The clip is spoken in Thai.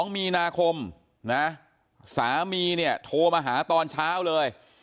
๒มีนาคมนะสามีเนี่ยโทรมาหาตอนเช้าเลย